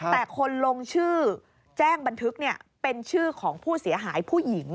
แต่คนลงชื่อแจ้งบันทึกเป็นชื่อของผู้เสียหายผู้หญิง